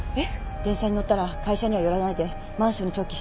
電車に乗ったら会社には寄らないでマンションに直帰して。